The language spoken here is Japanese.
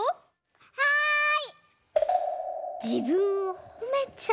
はい！